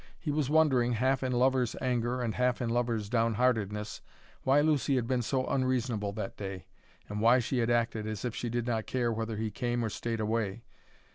He was wondering, half in lover's anger and half in lover's downheartedness, why Lucy had been so unreasonable that day, and why she had acted as if she did not care whether he came or stayed away.